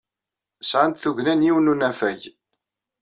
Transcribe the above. Sɛant tugna n yiwen n unafag.